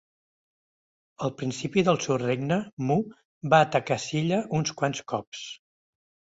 Al principi del seu regne, Mu va atacar Silla uns quants cops.